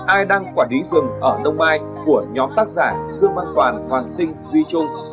ai đang quả đí rừng ở đông mai của nhóm tác giả dương văn toàn hoàng sinh huy trung